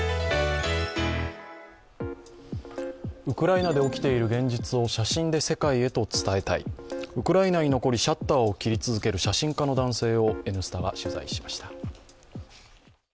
ウクライナで起きている現実を写真で世界に伝えたい、ウクライナに残りシャッターを切り続ける写真家の男性を「Ｎスタ」が取材しました。